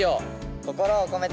心を込めて。